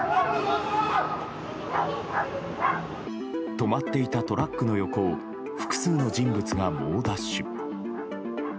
止まっていたトラックの横を複数の人物が猛ダッシュ。